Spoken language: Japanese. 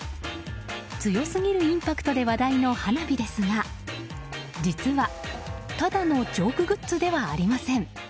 強すぎるインパクトで話題の花火ですが実は、ただのジョークグッズではありません。